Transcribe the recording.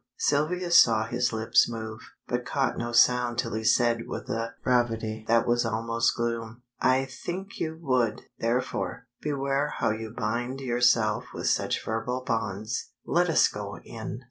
Sylvia saw his lips move, but caught no sound till he said with a gravity that was almost gloom "I think you would; therefore, beware how you bind yourself with such verbal bonds. Let us go in."